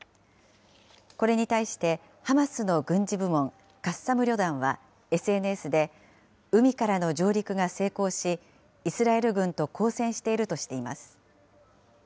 これに対して、ハマスの軍事部門、カッサム旅団はＳＮＳで、海からの上陸が成功し、イスラエル軍と交戦しているとしています。